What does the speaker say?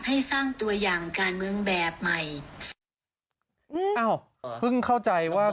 ให้สร้างตัวอย่างการเมืองแบบใหม่อืมอ้าวเพิ่งเข้าใจว่า